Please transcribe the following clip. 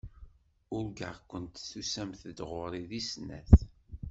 Urgaɣ-kent tusamt-d ɣur-i di snat.